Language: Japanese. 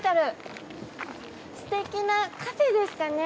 すてきなカフェですかね？